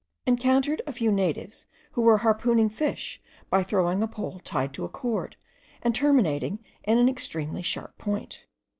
encountered a few natives who were harpooning fish by throwing a pole tied to a cord, and terminating in an extremely sharp point.